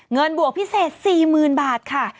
เงินบวกพิเศษ๔๐๐๐๐บาทค่ะ